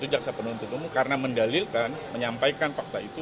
jaksa penuntut umum karena mendalilkan menyampaikan fakta itu